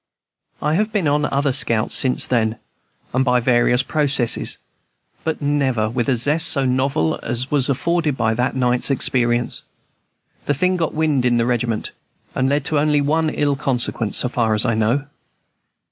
I have been on other scouts since then, and by various processes, but never with a zest so novel as was afforded by that night's experience. The thing soon got wind in the regiment, and led to only one ill consequence, so far as I know.